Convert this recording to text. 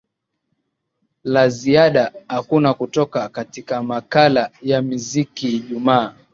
la ziada hakuna kutoka katika makala ya mziki ijumaa